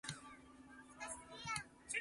翕相